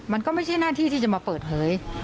มันก็ไม่ใช่หน้าที่ที่จะมาเปิดเผย